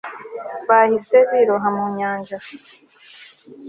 bahise biroha mu nyanja